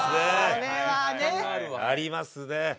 これはね！ありますね。